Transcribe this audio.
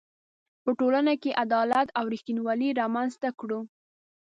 په ټولنه کې عدالت او ریښتینولي رامنځ ته کړو.